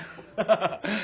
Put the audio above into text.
ハハハ。